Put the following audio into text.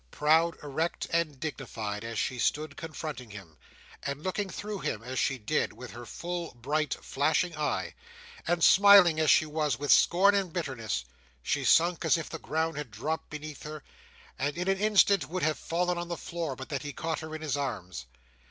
Proud, erect, and dignified, as she stood confronting him; and looking through him as she did, with her full bright flashing eye; and smiling, as she was, with scorn and bitterness; she sunk as if the ground had dropped beneath her, and in an instant would have fallen on the floor, but that he caught her in his arms.